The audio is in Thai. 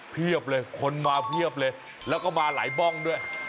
เลยคนมาเพียบเลยแล้วก็มาหลายบ้องด้วย